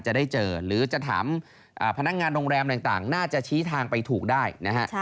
จะได้เจอหรือจะถามพนักงานโรงแรมต่างน่าจะชี้ทางไปถูกได้นะฮะ